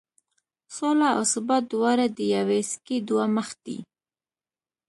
سوله او ثبات دواړه د یوې سکې دوه مخ دي.